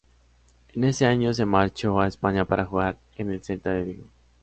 En ese año se marchó a España para jugar en el Celta de Vigo.